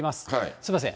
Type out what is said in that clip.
すみません。